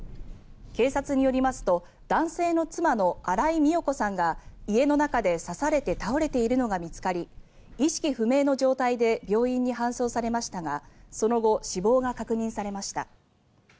警察によりますと男性の妻の新井美代子さんが家の中で刺されて倒れているのが見つかり意識不明の状態で病院に搬送されましたがその後、死亡が確認されました。